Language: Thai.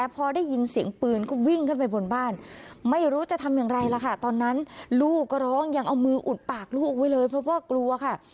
คืออุดปากลูกไว้เลยเพราะว่ากลัวค่ะ